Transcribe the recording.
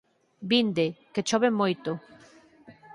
Vinde, que chove moito.